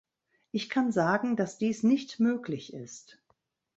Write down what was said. Ich kann sagen, dass dies nicht möglich ist.